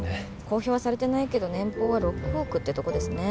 公表はされてないけど年俸は６億ってとこですね